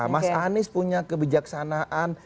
mas anies punya kebijaksanaan